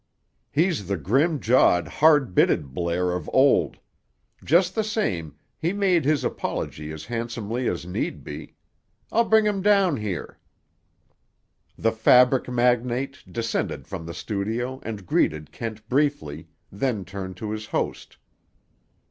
"He's the grim jawed, hard bitted Blair of old. Just the same, he made his apology as handsomely as need be. I'll bring him down here." The fabric magnate descended from the studio and greeted Kent briefly, then turned to his host.